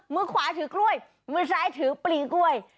มือขวาถือกล้วยมือซ้ายถือปลีกล้วย